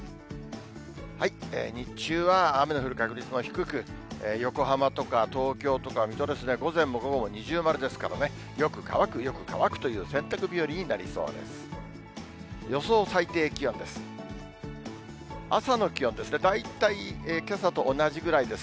日中は雨の降る確率も低く、横浜とか東京とか水戸ですね、午前も午後も二重丸ですからね、よく乾く、よく乾くという洗濯日和になりそうです。